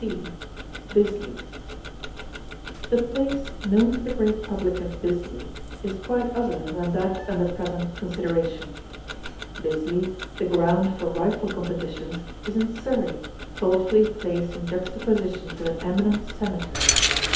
C. BISLEY The place known to the great public as Bisley is quite other than that under present consideration. Bisley, the ground for rifle competitions, is in Surrey, thoughtfully placed in juxtaposition to an eminent cemetery.